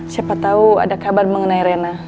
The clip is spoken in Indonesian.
siapa tahu ada kabar mengenai rena